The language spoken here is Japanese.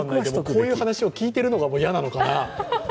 こういう話を聞いてるのが若い人は嫌なのかな。